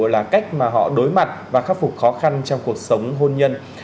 là cách mà họ đối mặt và khắc phục khó khăn trong cuộc sống hôn nhân